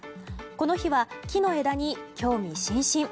この日は木の枝に興味津々。